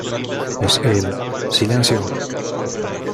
¡ Es él! ¡ silencio !